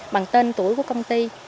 bằng tên tuổi của công ty